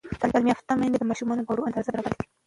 تعلیم یافته میندې د ماشومانو د خوړو اندازه برابره ساتي.